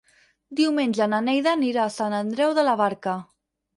Diumenge na Neida anirà a Sant Andreu de la Barca.